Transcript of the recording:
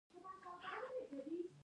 افغانستان د مس لپاره مشهور دی.